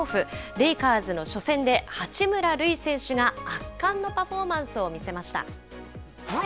レイカーズの初戦で、八村塁選手が圧巻のパフォーマンスを見せました。